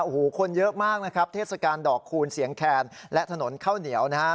โอ้โหคนเยอะมากนะครับเทศกาลดอกคูณเสียงแคนและถนนข้าวเหนียวนะฮะ